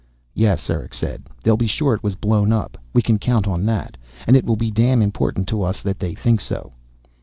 "Yes," Erick said. "They'll be sure it was blown up. We can count on that. And it will be damn important to us that they think so!"